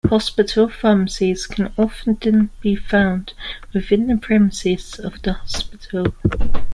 Hospital pharmacies can often be found within the premises of the hospital.